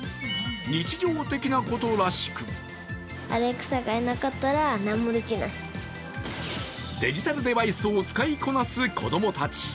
日常的なことらしくデジタルデバイスを使いこなす子供たち。